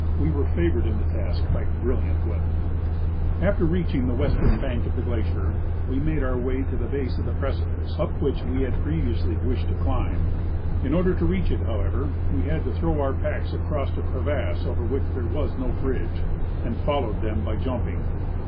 We were favored in the task bv brilliant Aveather. 148 I. C. Mussell — Expedition to Mount St. Elias. After reaching the western bank of the glacier, we made our way to the base of the precipice up which we had previously wished to climb. In order to reach it, however, we had to throw our packs across a crevasse over which there was no bridge, and followed them by jumping.